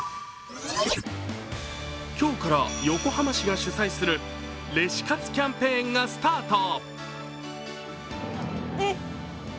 今日から、横浜市が主催するレシ活キャンペーンがスタート。